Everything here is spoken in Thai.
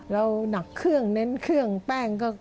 เราหนักเครื่องเน้นเครื่องแป้งก็กรอบอร่อยนะ